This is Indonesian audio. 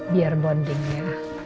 biar bonding ya